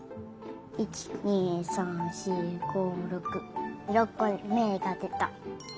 １２３４５６６こめがでた。